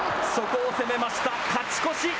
そこを攻めました、勝ち越し。